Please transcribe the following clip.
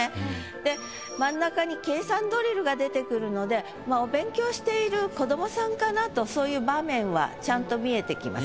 で真ん中に「計算ドリル」が出てくるのでまあかなとそういう場面はちゃんと見えてきます。